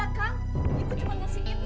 maaf pak ujan